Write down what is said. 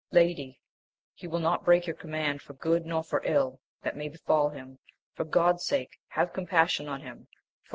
Lady, he will not break your command for good nor for ill that may befal him ; for God's sake izave compassion on laim, iot VS.